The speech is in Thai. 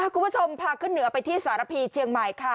คุณผู้ชมพาขึ้นเหนือไปที่สารพีเชียงใหม่ค่ะ